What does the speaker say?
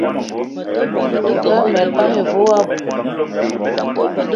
Lerma epan ive wo aboum.